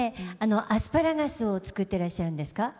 アスパラガスを作ってらっしゃるんですか？